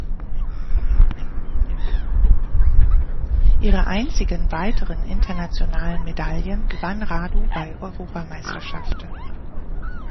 Ihre einzigen weiteren internationalen Medaillen gewann Radu bei Europameisterschaften.